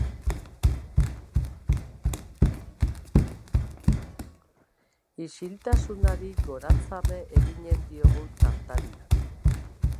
Isiltasunari goratzarre eginen diogu tartarian.